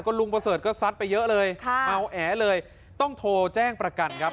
ลุงประเสริฐก็ซัดไปเยอะเลยค่ะเมาแอเลยต้องโทรแจ้งประกันครับ